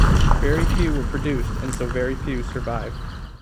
Very few were produced, and so very few survive.